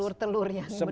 pemerintah pak mbak mbak